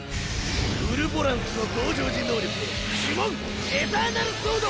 ウルボランスの登場時能力で呪文エターナルソード！